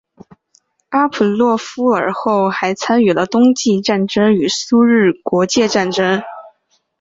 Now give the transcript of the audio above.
巴甫洛夫尔后还参与了冬季战争与苏日国界战争。